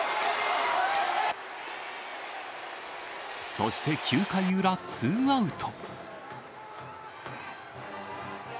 そして９回裏、ツーアウト。